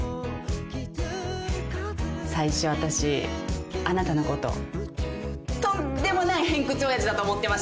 最初あたしあなたのこととんでもない偏屈オヤジだと思ってました。